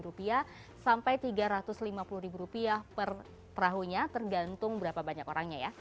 rp lima sampai rp tiga ratus lima puluh per perahunya tergantung berapa banyak orangnya ya